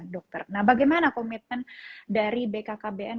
dokter nah bagaimana komitmen dari bkkbn